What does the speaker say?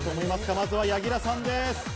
まずは柳楽さんです。